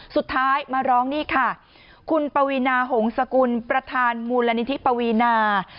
สุดท้ายมาร้องนี่ค่ะคุณปวีนาหงษกุลประธานมูลนิธิปวีนา